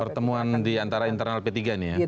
pertemuan diantara internal p tiga nih ya